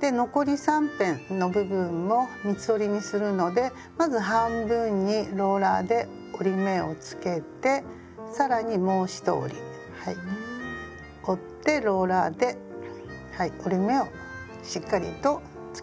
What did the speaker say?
で残り三辺の部分も三つ折りにするのでまず半分にローラーで折り目をつけて更にもう一折り折ってローラーで折り目をしっかりとつけてゆきます。